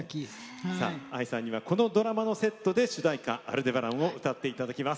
ＡＩさんにはこのドラマのセットで主題歌の「アルデバラン」を歌っていただきます。